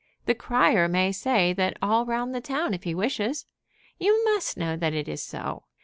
The crier may say that all round the town if he wishes. You must know that it is so.